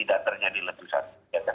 tidak terjadi letusan